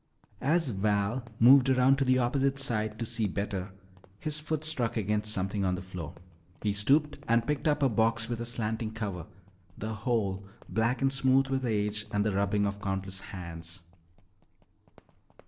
As Val moved around to the opposite side to see better, his foot struck against something on the floor. He stooped and picked up a box with a slanting cover, the whole black and smooth with age and the rubbing of countless hands.